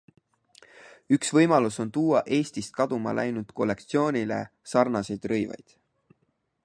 Üks võimalus on tuua Eestist kaduma läinud kollektsioonile sarnaseid rõivad.